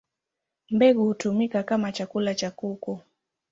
Mbegu hutumika kama chakula cha kuku.